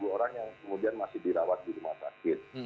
dua orang yang kemudian masih dirawat di rumah sakit